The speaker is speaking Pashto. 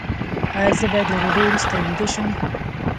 ایا زه باید له ډوډۍ وروسته ویده شم؟